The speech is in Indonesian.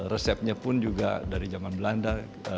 resepnya pun juga dari zaman belanda